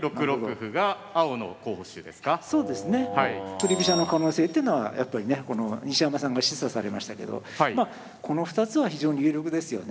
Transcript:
振り飛車の可能性っていうのはやっぱりね西山さんが示唆されましたけどこの２つは非常に有力ですよね。